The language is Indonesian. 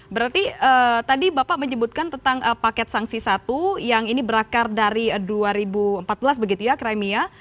berarti tadi bapak menyebutkan tentang paket sanksi satu yang ini berakar dari dua ribu empat belas begitu ya cremia